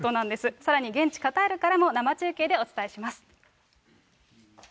さらに現地カタールからも生中継でお伝えします。